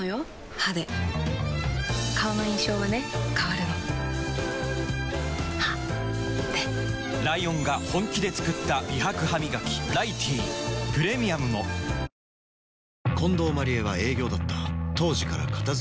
歯で顔の印象はね変わるの歯でライオンが本気で作った美白ハミガキ「ライティー」プレミアムも嘘とは